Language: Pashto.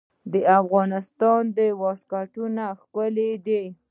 د افغانستان واسکټونه ښکلي دي